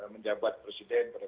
menjabat presiden pada